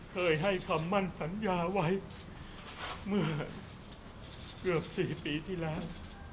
เคยให้คำมั่นสัญญาไว้เมื่อเกือบ๔ปีที่แล้ว